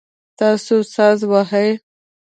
تاسو ساز وهئ؟